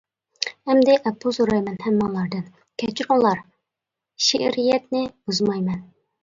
ئەمدى ئەپۇ سورايمەن ھەممىڭلاردىن، كەچۈرۈڭلار شېئىرىيەتنى بۇزمايمەن.